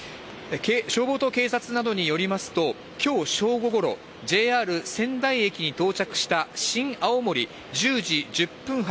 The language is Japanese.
消防と警察などによりますと、きょう正午ごろ、ＪＲ仙台駅に到着した新青森１０時１０分発